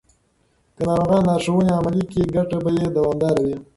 که ناروغان لارښوونې عملي کړي، ګټه به یې دوامداره وي.